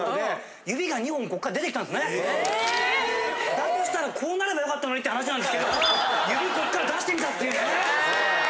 だとしたらこうなればよかったのにって話なんですけど指こっから出してみたっていうね。